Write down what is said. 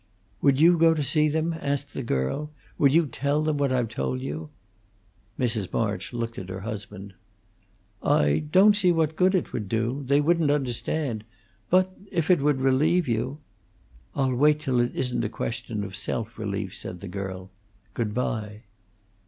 "Would you go to see them?" asked the girl. "Would you tell them what I've told you?" Mrs. March looked at her husband. "I don't see what good it would do. They wouldn't understand. But if it would relieve you " "I'll wait till it isn't a question of self relief," said the girl. "Good bye!"